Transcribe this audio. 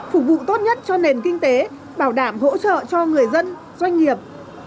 phục vụ tốt nhất cho nền kinh tế bảo đảm hỗ trợ cho người dân doanh nghiệp